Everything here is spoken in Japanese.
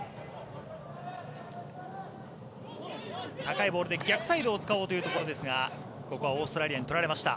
高いボールで逆サイドを使おうというところですがここはオーストラリアに取られました。